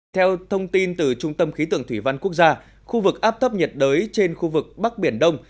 theo thông tin từ trung tâm khí tượng thủy văn quốc gia khu vực áp thấp nhiệt đới trên khu vực bắc biển đông